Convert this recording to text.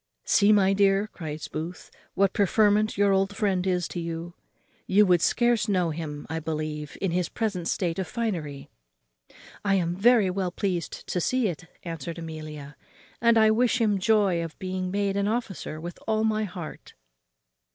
"See, my dear," cries Booth, "what preferment your old friend is come to. You would scarce know him, I believe, in his present state of finery." "I am very well pleased to see it," answered Amelia, "and I wish him joy of being made an officer with all my heart."